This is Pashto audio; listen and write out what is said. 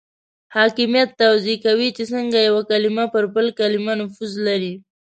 حاکمیت توضیح کوي چې څنګه یو کلمه پر بل کلمه نفوذ لري.